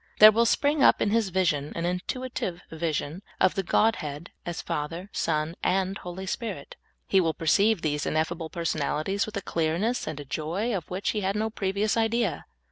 There will spring up in his vision an intuitive vision of the Godhead as Father, Son, and Holy Spirit. He will perceive these ineffable personalities with a clearness and joy of which he had no previous idea.